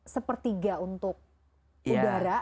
sepertiga untuk udara